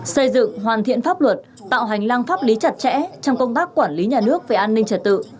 xây dựng hoàn thiện pháp luật tạo hành lang pháp lý chặt chẽ trong công tác quản lý nhà nước về an ninh trật tự